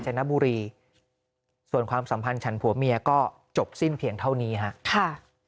จนบุรีส่วนความสัมพันธ์ฉันผัวเมียก็จบสิ้นเพียงเท่านี้ฮะค่ะ